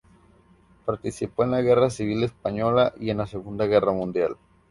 Participó en la Guerra Civil Española y en la Segunda Guerra Mundial.